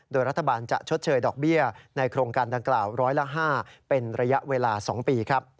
โดยรัฐบาลจะชดเชยดอกเบี้ยในโครงการดังกล่าวร้อยละ๕เป็นระยะเวลา๒ปี